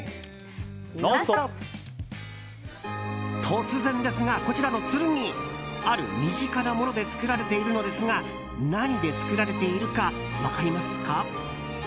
突然ですが、こちらの剣ある身近なもので作られているのですが何で作られているか分かりますか？